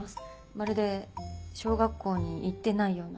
まるで小学校に行ってないような。